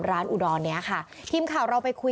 อุดรเนี้ยค่ะทีมข่าวเราไปคุย